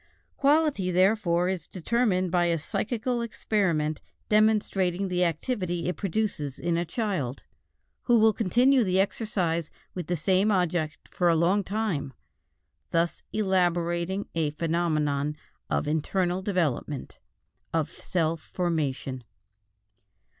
Quality, therefore, is determined by a psychical experiment demonstrating the activity it produces in a child, who will continue the exercise with the same object for a long time, thus elaborating a phenomenon of internal development, of self formation.